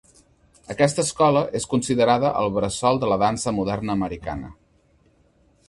Aquesta escola és considerada el bressol de la dansa moderna americana.